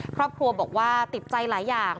ครอบครัวบอกว่าติดใจหลายอย่าง